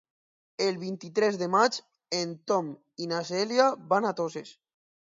El vint-i-tres de maig en Tom i na Cèlia van a Toses.